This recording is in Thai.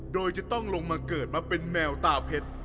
โดยจะต้องลงมาเกิดมาเป็นแมวตาเพชร